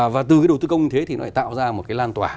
và từ cái đầu tư công thế thì nó lại tạo ra một cái lan tỏa